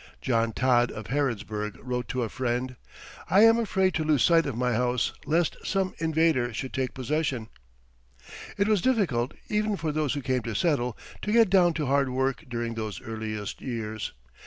John Todd, of Harrodsburg, wrote to a friend: "I am afraid to lose sight of my house lest some invader should take possession." It was difficult, even for those who came to settle, to get down to hard work during those earliest years.